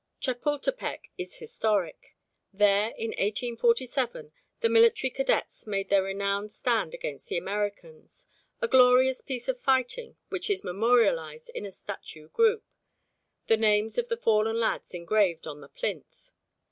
Chapultepec is historic. There in 1847 the military cadets made their renowned stand against the Americans, a glorious piece of fighting which is memorialised in a statue group the names of the fallen lads engraved on the plinth.